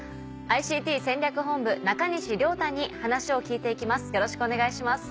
ＩＣＴ戦略本部中西亮太に話を聞いて行きます。